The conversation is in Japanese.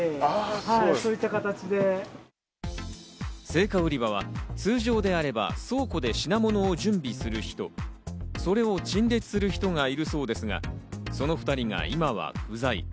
青果売り場は通常であれば倉庫で品物を準備する人、それを陳列する人がいるそうですが、その２人が今は不在。